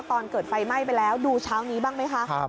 ตอนเกิดไฟไหม้ไปแล้วดูเช้านี้บ้างไหมคะ